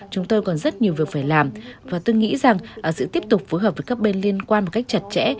chúng tôi còn rất nhiều việc phải làm và tôi nghĩ rằng sự tiếp tục phối hợp với các bên liên quan một cách chặt chẽ